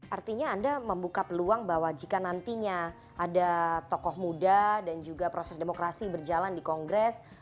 artinya anda membuka peluang bahwa jika nantinya ada tokoh muda dan juga proses demokrasi berjalan di kongres